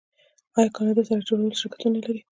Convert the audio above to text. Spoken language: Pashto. آیا کاناډا د سړک جوړولو شرکتونه نلري؟